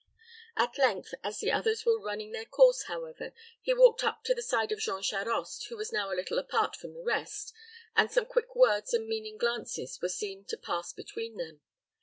At length, as the others were running their course, however, he walked up to the side of Jean Charost, who was now a little apart from the rest, and some quick words and meaning glances were seen to pass between them.